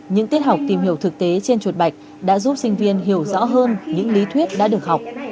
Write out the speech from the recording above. những tiết học tìm hiểu thực tế trên chuột bạch đã giúp sinh viên hiểu rõ hơn những lý thuyết đã được học